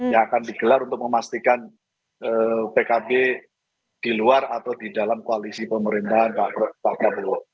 yang akan digelar untuk memastikan pkb di luar atau di dalam koalisi pemerintahan pak prabowo